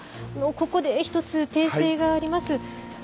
ここで、１つ訂正があります。